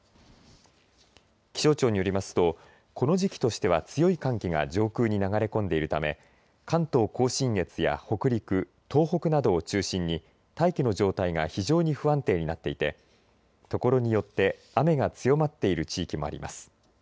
気象庁によりますとこの時期としては強い寒気が上空に流れ込んでいるため関東甲信越や北陸、東北などを中心に大気の状態が非常に不安定になっていてところによって雨が強まっている地域もあります。